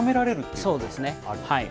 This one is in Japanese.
そうですね。